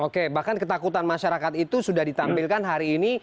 oke bahkan ketakutan masyarakat itu sudah ditampilkan hari ini